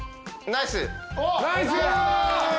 ナイス！